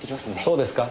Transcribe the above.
そうですか。